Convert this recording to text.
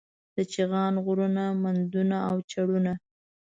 د چغان غرونه، مندونه او چړونه